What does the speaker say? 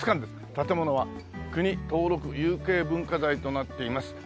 「建物は国登録有形文化財となっています」